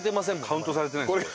カウントされてないんです